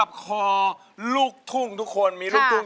ร้องได้ให้ร้าง